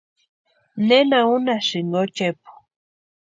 ¿Nena únhasïnki ochepu?